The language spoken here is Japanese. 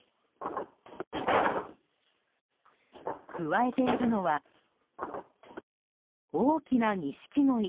くわえているのは大きなニシキゴイ。